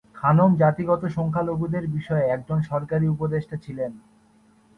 খানম জাতিগত সংখ্যালঘুদের বিষয়ে একজন সরকারি উপদেষ্টা ছিলেন।